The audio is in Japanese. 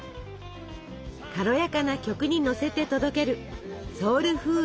軽やかな曲にのせて届けるソウルフードの魅力。